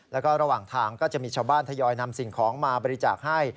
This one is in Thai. แล้วก็ระหว่างทางก็จะมีชาวบ้านทยอยนำสิ่งของมาบริจาคให้